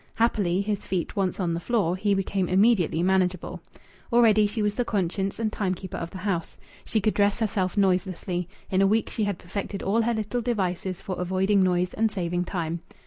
Happily, his feet once on the floor, he became immediately manageable. Already she was the conscience and time keeper of the house. She could dress herself noiselessly; in a week she had perfected all her little devices for avoiding noise and saving time.